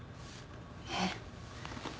えっ。